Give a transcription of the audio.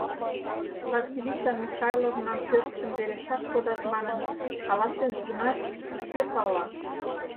Василиса Михайловнан пӧртшым верешак кодат манын каласеныт гынат, кӧ пала.